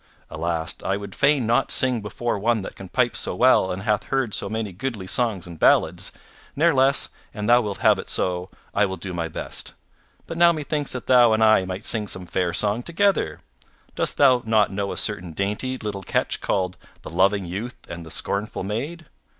Alas, I would fain not sing before one that can pipe so well and hath heard so many goodly songs and ballads, ne'ertheless, an thou wilt have it so, I will do my best. But now methinks that thou and I might sing some fair song together; dost thou not know a certain dainty little catch called 'The Loving Youth and the Scornful Maid'?